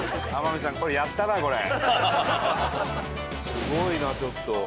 すごいなちょっと。